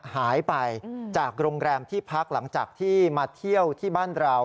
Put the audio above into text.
หายไปจากโรงแรมที่พักหลังจากที่มาเที่ยวที่บ้านเรา